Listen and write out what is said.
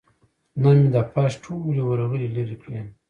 نن مې د فرش ټولې ورغلې لرې کړې.